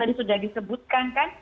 vaksin sudah disebutkan kan